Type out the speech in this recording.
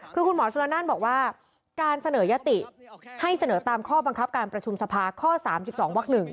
คือคุณหมอสุรนั่นบอกว่าการเสนอยติให้เสนอตามข้อบังคับการประชุมสภาข้อ๓๒วัก๑